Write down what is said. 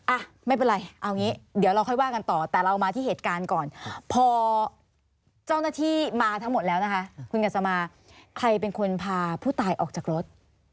อ่ะไม่เป็นไรเอางี้เดี๋ยวเราค่อยว่ากันต่อแต่เรามาที่เหตุการณ์ก่อนพอเจ้าหน้าที่มาทั้งหมดแล้วนะคะคุณกัสมาใครเป็นคนพาผู้ตายออกจากรถ